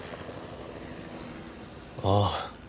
ああ。